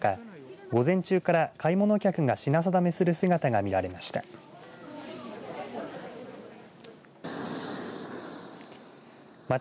午前中から買い物客が品定めする姿が見られました。